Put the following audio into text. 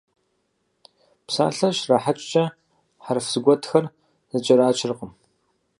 Псалъэр щрахьэкӀкӀэ хьэрф зэгуэтхэр зэкӀэрачыркъым.